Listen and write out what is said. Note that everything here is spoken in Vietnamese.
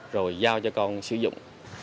rồi giao cho con sử dụng